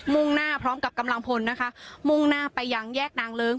่งหน้าพร้อมกับกำลังพลนะคะมุ่งหน้าไปยังแยกนางเลิ้ง